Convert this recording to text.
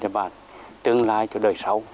và tương lai cho đời sau